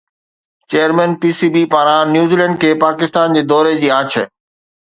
chairman P S B پاران New Zealand کي پاڪستان جي دوري جي آڇ